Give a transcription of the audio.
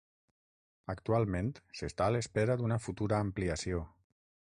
Actualment s'està a l'espera d'una futura ampliació.